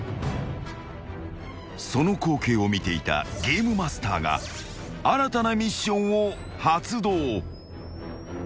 ［その光景を見ていたゲームマスターが新たなミッションを発動］